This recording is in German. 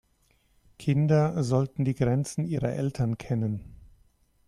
Kinder sollten die Grenzen ihrer Eltern kennen.